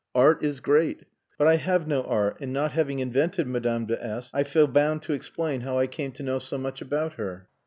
Art is great! But I have no art, and not having invented Madame de S , I feel bound to explain how I came to know so much about her.